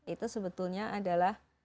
itu sebetulnya adalah